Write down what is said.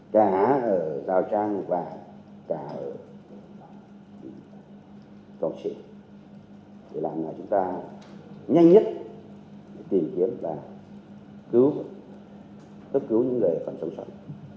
cả giao trang và cả công trình để làm cho chúng ta nhanh nhất tìm kiếm và cứu những người còn sống sống